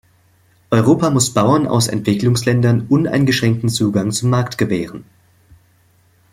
Europa muss Bauern aus Entwicklungsländern uneingeschränkten Zugang zum Markt gewähren.